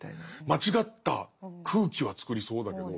間違った空気は作りそうだけど。